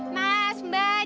mas mbak jamu